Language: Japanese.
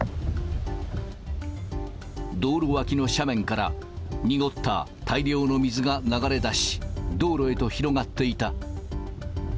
道路脇の斜面から濁った大量の水が流れ出し、道路へと広がっていた。